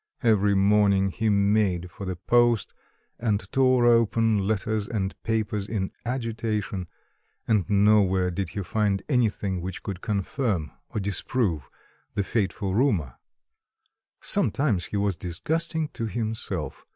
Every morning he made for the post, and tore open letters and papers in agitation, and nowhere did he find anything which could confirm or disprove the fateful rumour. Sometimes he was disgusting to himself.